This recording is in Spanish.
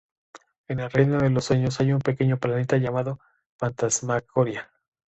En el reino de los sueños, hay un pequeño planeta llamado Phantasmagoria.